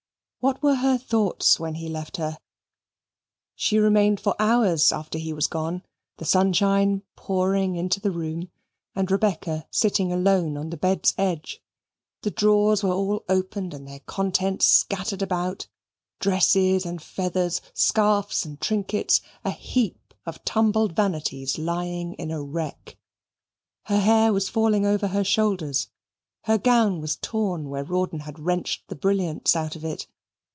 What were her thoughts when he left her? She remained for hours after he was gone, the sunshine pouring into the room, and Rebecca sitting alone on the bed's edge. The drawers were all opened and their contents scattered about dresses and feathers, scarfs and trinkets, a heap of tumbled vanities lying in a wreck. Her hair was falling over her shoulders; her gown was torn where Rawdon had wrenched the brilliants out of it.